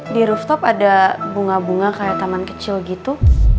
di rooftop ada bunga bunga kayak taman kecil gitu